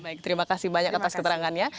baik terima kasih banyak atas keterangannya